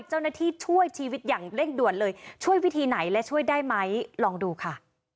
เจ้าหน้าที่ช่วยชีวิตอย่างเร่งด่วนเลยช่วยวิธีไหนและช่วยได้ไหมลองดูค่ะ